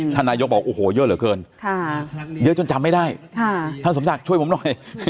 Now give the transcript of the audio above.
ท่านนายกบอกโอ้โหเยอะเหลือเกินเยอะจนจำไม่ได้ท่านสมศักดิ์ช่วยผมหน่อย